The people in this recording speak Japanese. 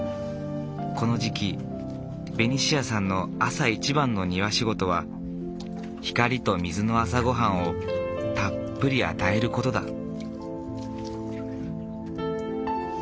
この時期ベニシアさんの朝一番の庭仕事は光と水の朝ごはんをたっぷり与える事だ。